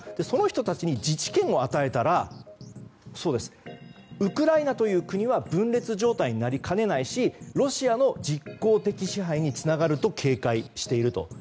その人たちに自治権を与えたらウクライナという国は分裂状態になりかねないしロシアの実効的支配につながると警戒していると。